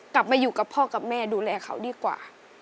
กลับมาอยู่กับพ่อกับแม่ดูแลเขาดีกว่า